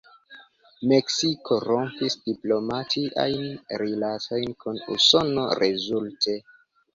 Meksiko rompis diplomatiajn rilatojn kun Usono rezulte.